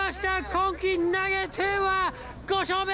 今季、投げては５勝目。